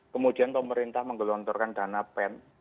kemudian pemerintah menggelontorkan dana pen